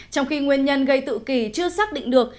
trong khi nguyên nhân gây tự kỳ chưa xác định được